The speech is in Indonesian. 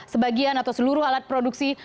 sebagian atau seluruh alat produksi